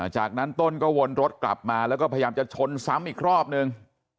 จากนั้นต้นก็วนรถกลับมาแล้วก็พยายามจะชนซ้ำอีกรอบนึง